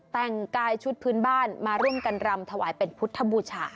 แต่งกายชุดพื้นบ้านมาร่วมกันรำถวายเป็นพุทธบูชา